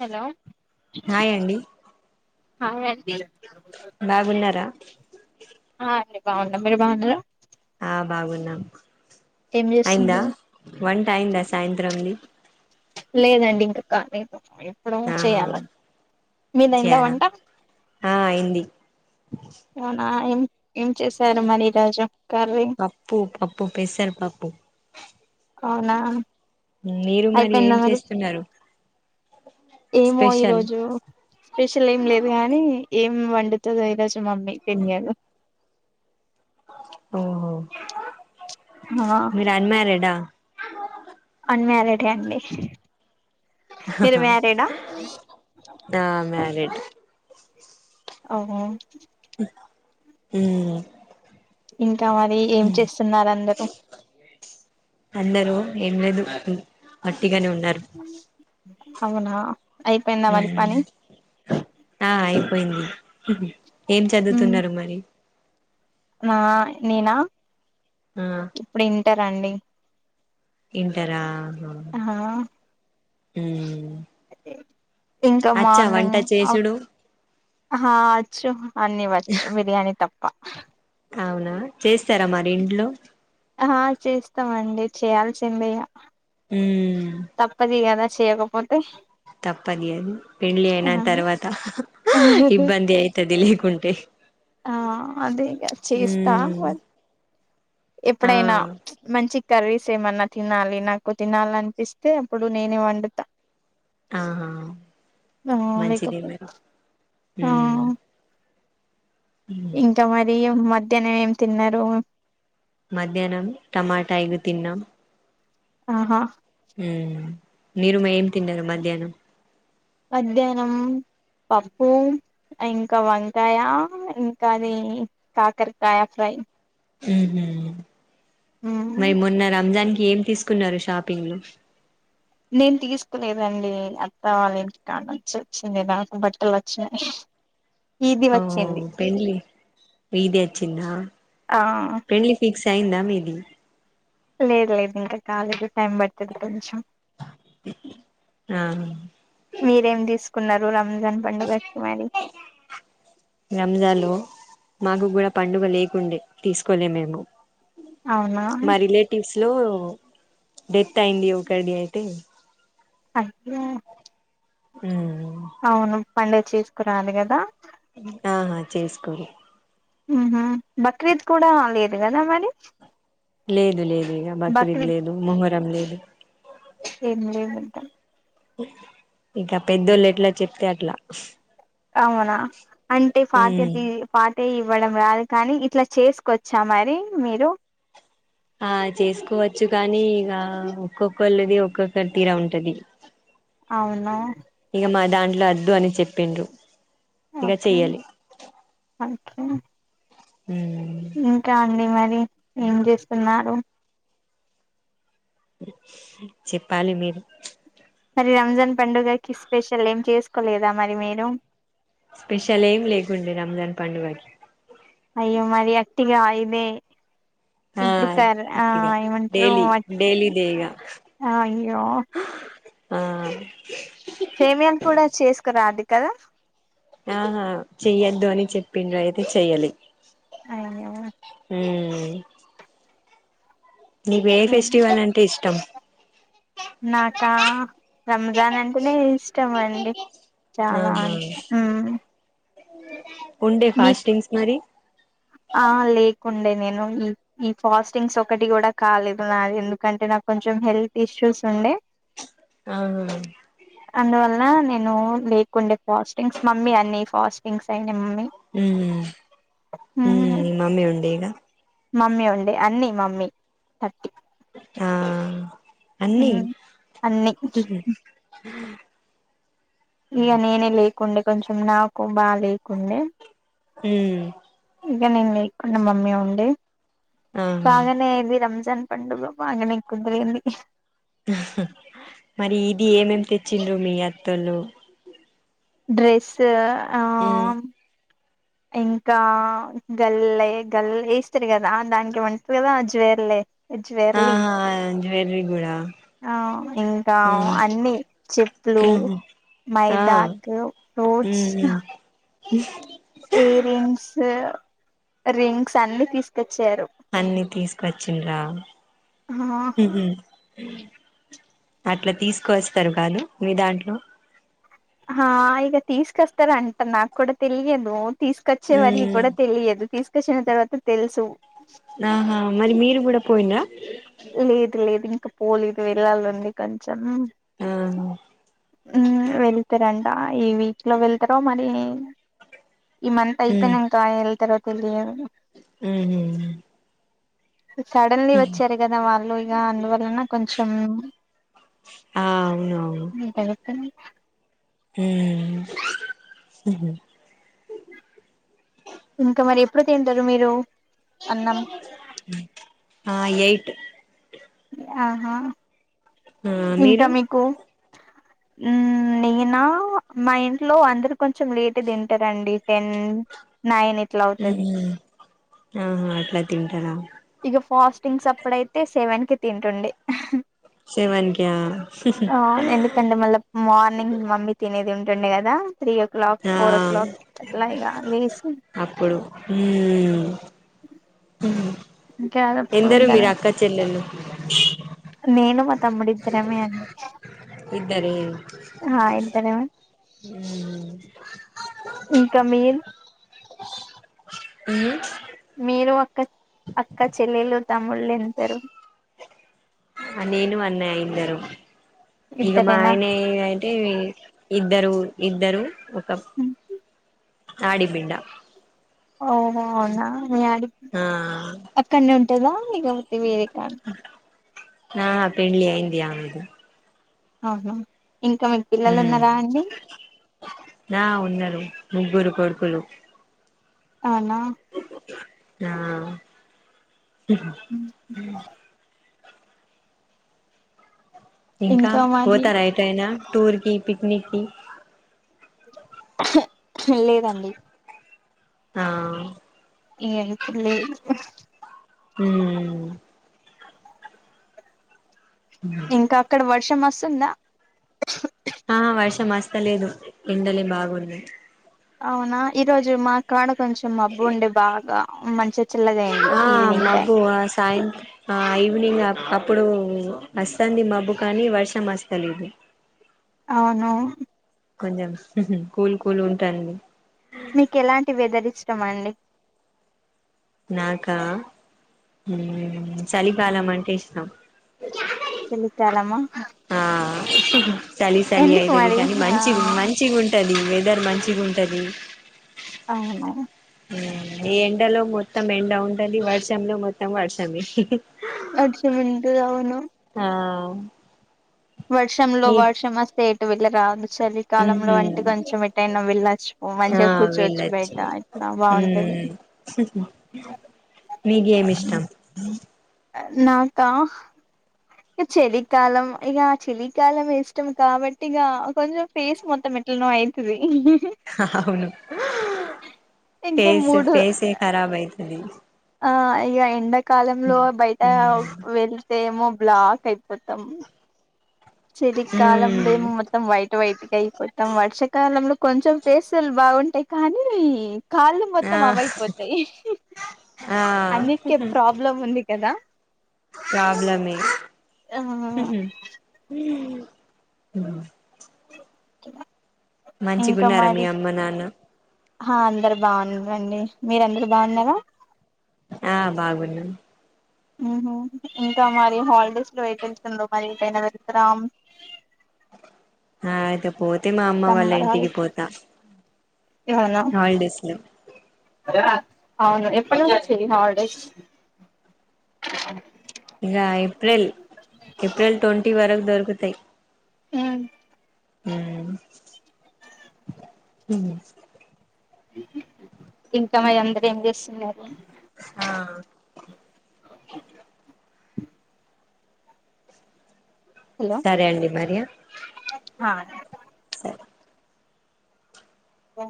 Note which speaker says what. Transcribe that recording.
Speaker 1: hello
Speaker 2: hi అండి
Speaker 1: హా అండి
Speaker 2: బాగున్నారా
Speaker 1: ఆ అండి బాగునం మీరు బాగున్నారు
Speaker 2: ఆ బాగున్నాం
Speaker 1: ఏం
Speaker 2: అయిందా
Speaker 1: చేస్తుండ్రు
Speaker 2: వంట అయిందా సాయంత్రంది
Speaker 1: లేదండి ఇంక కాలేదు ఇప్పుడు
Speaker 2: ఆ
Speaker 1: చేయాల మిది అయిందా
Speaker 2: చేయారా
Speaker 1: వంట
Speaker 2: ఆ అయింది
Speaker 1: అవునా ఏం ఏం చేశారు మరి ఈరోజు కర్రీ
Speaker 2: పప్పు పప్పు పెసర్ పప్పు
Speaker 1: అవునా
Speaker 2: మీరు మరి ఏం చేస్తున్నారు
Speaker 1: ఏమో
Speaker 2: స్పెషల్
Speaker 1: ఈరోజు స్పెషల్ ఏం లేదు కానీ ఏం వండుతుందొ ఈరోజు మామ్మి తెయదు
Speaker 2: ఓహ
Speaker 1: ఆ
Speaker 2: మీరు అన్మారిడ్ ఆ
Speaker 1: అన్మ్యారీడ్ ఏ అండి మీరు మ్యారీడా
Speaker 2: రేట్
Speaker 1: అవును
Speaker 2: హ్మ్
Speaker 1: ఇంకా మరి ఏం చేస్తున్నారు అందరూ
Speaker 2: అందరూ ఏం లేదు వట్టిగానే ఉన్నారు
Speaker 1: అవునా అయిపోయిందా మరి పని
Speaker 2: ఆ అయిపోయింది ఏం చదువుతున్నారు మరి
Speaker 1: ఆ నేనా
Speaker 2: ఆ
Speaker 1: రండి
Speaker 2: ఇంటరా హ్మ్
Speaker 1: ఇంకా
Speaker 2: వంట
Speaker 1: మార్నింగ్
Speaker 2: చేసుడు
Speaker 1: ఆ వచ్చు అన్నివ్వచ్చు బిర్యానీ తప్ప
Speaker 2: అవునా చేస్తారా మరి ఇంట్లో
Speaker 1: ఆ చేస్తామండి చేయాల్సిందగ
Speaker 2: అమ్మ్
Speaker 1: తప్పదిగాద చేయకపోతే
Speaker 2: తప్పదు అది పెళ్లి అయిన తర్వాత ఇబ్బంది అయిత దిలీకుంటే
Speaker 1: ఆ అదేగా చేస్తా
Speaker 2: ఉమ్ ఆ
Speaker 1: ఎప్పుడైనా మంచి కర్రీస్ ఏమన్నా తినాలి నాకు తినాల అనిపిస్తే అప్పుడు నేనే వండుతా
Speaker 2: ఆహా
Speaker 1: ఆ
Speaker 2: మంచిదే
Speaker 1: లేకప్పు
Speaker 2: మరి
Speaker 1: ఆ
Speaker 2: ఉమ్ ఉమ్
Speaker 1: ఇంకా మరి మధ్యాహ్నం ఏం తిన్నారు
Speaker 2: మధ్యాహ్నం టమాటా ఎగ్
Speaker 1: ఆహా
Speaker 2: ఉ నిరుమ ఏం తిన్నారు మధ్యాహ్నం
Speaker 1: మధ్యాహ్నం పప్పు ఇంకా వంకాయ ఇంకా అది కాకరకాయ ఫ్రై
Speaker 2: ఆ హ్మ్మ్ మరి మొన్న రంజాన్ ఏం తీసుకున్నారు షాపింగ్ లో
Speaker 1: నేను తీసుకోలేదండి అత్త వాళ్ళ ఇంటి కాని వచ్చ వచ్చిందిదానికి బట్టలు వచ్చినాయి
Speaker 2: [inaudible]
Speaker 1: ఇది
Speaker 2: ఓ
Speaker 1: వచ్చింది
Speaker 2: పెండ్లి ఇదే వచ్చిందా
Speaker 1: ఆ
Speaker 2: పెడ్లి ఫక్స్ ద మీది
Speaker 1: లేదు లేదు ఇంకా కాలేదు టైం పడుతుంది కొంచెం
Speaker 2: అవునా
Speaker 1: కున్నారు రంజాన్ పండుగ వస్తున్నది
Speaker 2: రంజాన్లో మాకు కూడా పండుగ లేకుండే తీసుకోలే మేము
Speaker 1: అవునా
Speaker 2: ఇలో డెత్ అయింది ఒకటి అయితే
Speaker 1: అయో
Speaker 2: ఉ
Speaker 1: అవును పడుగ చేసుకురాలి కదా
Speaker 2: ఆహా చేసుకోరు
Speaker 1: బక్రీద్ కూడా లేదు కదా మరి
Speaker 2: లేదు లేదు ఇక బక్రీద్ లేదు మహరం లేదు
Speaker 1: ఏం లేదంటాం
Speaker 2: ఇక పెద్దోళ్ళు ఎట్లా చెప్తే అట్లా
Speaker 1: అవునా అంటే పాత
Speaker 2: ఉమ్
Speaker 1: పాత ఇవ్వడం రాదు కానీ ఇట్లా చేసుకొచ్చా మరి మీరు
Speaker 2: ఆ చేసుకోవచ్చు కానీ ఇక ఒక్కొక్కళ్ళది ఒక్కొక్కరి తీరా ఉంటది
Speaker 1: అవునా
Speaker 2: ఇక మా దాంట్లో వద్దు అని చెప్పిండ్రు ఇక
Speaker 1: ఓకే
Speaker 2: చెయ్యాలి
Speaker 1: ఓకే ఇంకా అండి మరి ఏం చేస్తున్నారు
Speaker 2: చెప్పాలి మీరు
Speaker 1: మరి రంజాన్ పండుగకి స్పెషల్ ఏం చేసుకోలేదా మరి మీరు
Speaker 2: స్పెషల్ ఏం లేకుండి రంజాన్ పండుగకి
Speaker 1: అయ్యో మరి అక్టిగా ఇయిదే
Speaker 2: ఆ
Speaker 1: ఇప్పుడు కర ఆ
Speaker 2: అట్టిగా
Speaker 1: ఏమంటారు
Speaker 2: డైలీ డైలీ దే ఇగ
Speaker 1: ఆ అయ్యో
Speaker 2: ఆ
Speaker 1: సేమియాలు కూడా చేసుకురాదు కదా
Speaker 2: ఆహా చెయ్యద్దు అని చెప్పిండ్ర అయితే చెయ్యాలి
Speaker 1: అయో
Speaker 2: ఉమ్ నీకు ఏ ఫెస్టివల్ అంటే ఇష్టం
Speaker 1: నాకా రంజాన్ అంటేనే ఇష్టం అండి చాలా
Speaker 2: ఆహా
Speaker 1: అన్ ఉమ్
Speaker 2: ఉండే
Speaker 1: మీకు
Speaker 2: ఫాస్టింగ్స్ మరి
Speaker 1: ఉండే నేను ఈ ఈ ఫాస్టింగ్స్ ఒకటి కూడా కాలేదు నాది ఎందుకంటే నాకు కొంచెం హెల్త్ ఇష్యూ సుస్ ఉండే
Speaker 2: ఆ
Speaker 1: అందువల్ల నేను లేకుండే ఫాస్టింగ్స్ మమ్మీ అన్ని ఫాస్టింగ్స్ అయినాయి మమ్మీ
Speaker 2: ఉమ్
Speaker 1: మ్మ్
Speaker 2: ఉమ్ మమ్మి ఉండే ఈగ
Speaker 1: మమ్మీ ఉండే అన్నిీ మమ్మీ థర్టీ
Speaker 2: ఆ అన్నీ
Speaker 1: మ్మ్ అన్ని ఇక నేనే లేకుండే కొంచెం నాకు బా లేకుండే
Speaker 2: ఉమ్
Speaker 1: ఇక నేను లేకుడా మమ్మీ ఉండి
Speaker 2: ఆహా
Speaker 1: బగానే ఇది రంజాన్ పండుగ బాగానే కుదిరింది
Speaker 2: మరి ఇది ఏమేం తెచ్చిండ్రు మీ అత్తలుు
Speaker 1: డ్రెస్
Speaker 2: ఉమ్
Speaker 1: ఆ ఇంకా గల్లే గల్ళ వేస్తారు కదా దానికి వంటది కదా జ్వేర్లే జ్వేర్లి
Speaker 2: ఆహా జువెరీ కూడా
Speaker 1: ఆ ఇంకా
Speaker 2: మ్మ్
Speaker 1: అన్నిీ చెట్లు
Speaker 2: మ్మ్ ఆ
Speaker 1: మైదాకు ఫ్రూట్స్
Speaker 2: మ్మ్
Speaker 1: ఇయర్ రింగ్స్ రింగ్స్ అన్ని తీసుకొచ్చ
Speaker 2: అన్ని తీసుకొచ్చిన్రా అట్లా తీసుకు వస్తారు కాదు మీ దాంట్లో
Speaker 1: హ ఇక తీసుకస్తార అంట నాకు కూడా తెలియదు తీసుకొచ్చే వారికి
Speaker 2: ఉమ్
Speaker 1: కూడా తెలియదు తీసుకొచ్చిన తర్వాత తెలుసు
Speaker 2: ఆహా మరి మీరు కూడా పోయింద
Speaker 1: ఇం పోలిది వెళ్ళాలింది కొంచెం
Speaker 2: ఉమ్
Speaker 1: ఉమ్ వెళ్తారంట ఈ వీక్లో వెళ్తారో మరి ఈమంత అయిపోయినాకా వెళ్తారో తెలియదు
Speaker 2: ఉమ్ హు
Speaker 1: సడన్లీ వచ్చి వాళ్ళు ఇగ అందువల్ లున్న కొంచం
Speaker 2: ఆ అవునవును ఉమ్
Speaker 1: ఇంకా మరి ఎప్పుడు తింటారు మీరు అన్నం
Speaker 2: ఆ ఎయిట్
Speaker 1: ఆహా
Speaker 2: ఆ
Speaker 1: ఇంకా
Speaker 2: మీరు
Speaker 1: మీకు ఉమ్ నై అయినా మా ఇంట్లో అందరు కొంచెం లేట్ తింటారండి టెన్ నైన్ ఇట్లా అవుతది
Speaker 2: ఉమ్ఆహా అట్లా తింటారా
Speaker 1: ఇక ఫాస్టింగ్స్ అప్పుడ అయితే సెవెన్ కి తింటుండడే
Speaker 2: సెవెన్ కా
Speaker 1: ఆ ఎందుకంటే మళ్ళా మార్నింగ్ మమ్మీ తినేది ఉం చండి [unintelligible] గదా త్రీ ఓ క్లాక్
Speaker 2: ఆ
Speaker 1: ఫోర్ ఓ క్లాక్ అట్ల ఇగ లేసి
Speaker 2: అప్పుడు ఉమ్
Speaker 1: ఇంకా
Speaker 2: ఎందరు
Speaker 1: అప్పుడు
Speaker 2: మీరు అక్క చెల్లెలు
Speaker 1: నేను మాతమ్ముడు ఇద్దరమే అండి
Speaker 2: ఇద్దరే
Speaker 1: ఆ ఇద్దరమే
Speaker 2: ఉమ్
Speaker 1: ఇంకా మీల్
Speaker 2: ఏంది
Speaker 1: మీరు అక్క అక్క చెల్లెలు తమ్ముళ్ళు ఎంతరు
Speaker 2: ఆ నేను అన్నయ్య ఇద్దరం ఇగ మా
Speaker 1: ఇద్దరేనా
Speaker 2: ఆయనే అయితే ఇద్దరు ఇద్దరు ఒక ఆడిబిడ్డ
Speaker 1: ఓ అవునా మీ ఆడిబిడ్డ
Speaker 2: ఆ
Speaker 1: అక్కడనే ఉంటందా లేకపోతే వేరే కాడ
Speaker 2: ఆ పెండ్లి అయింది ఆమెది
Speaker 1: అవునా ఇంకా మీకు పిల్లలు
Speaker 2: ఉమ్
Speaker 1: ఉన్నారా అండి
Speaker 2: నా ఉన్నారు ముగ్గురు కొడుకులు
Speaker 1: అవునా
Speaker 2: ఆ ఇంకా పోతారా ఎటైనా టూర్ కి పిక్నిక్ కి
Speaker 1: లేదండి
Speaker 2: ఆ
Speaker 1: ఇగ యిప్పులేదు
Speaker 2: ఉమ్
Speaker 1: ఇంకా అక్కడ వర్షం వస్తుందా
Speaker 2: వర్ష వస్తలేదు ఎండలే బాగున్నాయ్
Speaker 1: అవునా ఈరోజు మా కాడ కొంచెం మబ్బు ఉండే బాగా మంచిగా చల్లగా అయింది
Speaker 2: ఆ
Speaker 1: ఈవినింగ్ టైం
Speaker 2: మబ్బు ఆ సాయంత్రం ఆ ఈవినింగ్ అప్పుడు వస్తుంది మబ్బు కానీ వర్షం వస్తలేదు
Speaker 1: అవును
Speaker 2: కొంచెం కూల్ కూల్ ఉంటా అండి
Speaker 1: మీక్ ఎలాంటి వెదర్ ఇష్టమండి
Speaker 2: నాకా చలికాలం అంటే ఇష్టం
Speaker 1: చలికాలమా
Speaker 2: ఆ చలి చలి
Speaker 1: ఎందుకు
Speaker 2: అయితది
Speaker 1: మరి
Speaker 2: కానీ
Speaker 1: ఆ
Speaker 2: మంచి మంచిగా ఉంటది వెదర్ మంచిగా ఉంటది
Speaker 1: అవును
Speaker 2: ఎండలో మొత్తం ఎండ ఉంటది వర్షంలో మొత్తం వర్షమే
Speaker 1: వర్షం ఉంటది అవును
Speaker 2: ఆ
Speaker 1: వర్షంలో
Speaker 2: నీ
Speaker 1: వర్షం వస్తే ఎటు వెళ్ళరాదు చలికాలంలో అంటే కొంచెం ఎటైనా వెళ్ళొచ్చు
Speaker 2: ఆ
Speaker 1: మంచిగా కూర్చోవచ్చు బయట ఇట్లా బాగుంటది
Speaker 2: ఉమ్ మీకేమ్ ఇష్టం
Speaker 1: నాకా చలి కాలం ఇగ చలికాలం ఇష్టం కాబట్టి ఇగ కొంచెం ఫేస్ మొత్తం ఎట్ ఎట్లనో అయితది
Speaker 2: అవును
Speaker 1: ఇంకా
Speaker 2: ఫేస్
Speaker 1: మూడు
Speaker 2: ఫేసే ఖరాబ్ అయితది
Speaker 1: ఆ ఇగ ఎండాకాలంలో బయట వెళ్తే ఏమో బ్లాక్ అయిపోతది మొత్తం చెలి కాలంలో
Speaker 2: మ్మ్
Speaker 1: ఏమో మొత్తం వైట్ వైట్ గా అయిపోతాం వర్ష కాలంలో కొంచెం పేస్లు బాగుంటాయి కానీ కాళ్ళు
Speaker 2: ఆ
Speaker 1: మొత్తం అవైపోతాయి
Speaker 2: ఆ
Speaker 1: కదా
Speaker 2: ప్రాబ్లమే
Speaker 1: ఆ
Speaker 2: ఉహుహు ఉమ్ ఉహూ
Speaker 1: ఇంకా
Speaker 2: మంచిగున్నారా మీ
Speaker 1: మరి
Speaker 2: అమ్మ నాన్న
Speaker 1: ఆ అందరు బాగున్నారండి మీరు అందరు బాగున్నారా
Speaker 2: ఆ బాగున్నా
Speaker 1: ఉమ్ ఇంకా మరి హాలిడేస్ లో ఏం చేస్తారు మరి ఎటైనా వెళ్తారా
Speaker 2: హా అయితే పోతే మా అమ్మ వాళ్ళ
Speaker 1: సమ్మర్
Speaker 2: ఇంటికి
Speaker 1: హాలిడేస్
Speaker 2: పోతా
Speaker 1: అవునా
Speaker 2: హాలిడేస్ లో
Speaker 1: అవును ఎప్పటి నుంచి హాలిడేస్
Speaker 2: ఇగ ఏప్రిల్ ఏప్రిల్ ట్వంటీ వరకు దొరుకుతాయి
Speaker 1: ఉమ్
Speaker 2: ఉమ్ ఉమ్
Speaker 1: ఇంకా మరి అందరు ఏం చేస్తున్నారు
Speaker 2: ఆ సరే అండి మరి ఆ
Speaker 1: హా ఓ